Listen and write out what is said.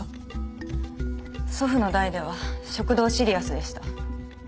祖父の代では食堂シリアスでした。